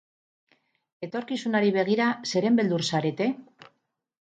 Etorkizunari begira zeren beldur zarete?